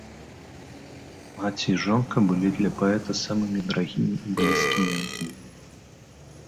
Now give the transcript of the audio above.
Маці і жонка былі для паэта самымі дарагімі і блізкімі людзьмі.